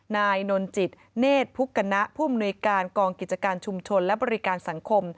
นายนนจิตเนธพุกณะผู้อำนวยการกองกิจการชุมชนและบริการสังคม